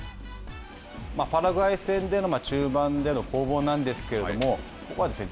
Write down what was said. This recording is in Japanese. パラグアイ戦での中盤での攻防なんですけれどもここはですね